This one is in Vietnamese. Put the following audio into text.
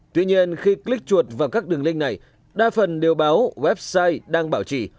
tuy nhiên khi click chuột vào các đường link này đa phần đều báo website đang bảo trì